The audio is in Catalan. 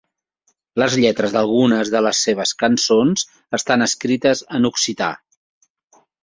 Les lletres d'algunes de les seves cançons estan escrites en occità.